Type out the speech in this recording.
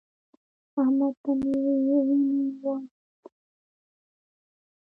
احمد ته مې وينې وايشېدې.